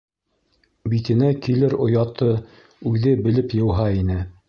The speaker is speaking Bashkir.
Битенә килер ояты Үҙе белеп йыуһа ине.